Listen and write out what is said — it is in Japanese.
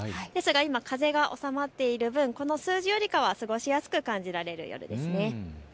ですが今、風が収まっている分、この数字よりかは過ごしやすく感じられるようです。